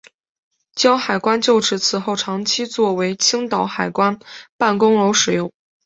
胶海关旧址此后长期作为青岛海关办公楼使用。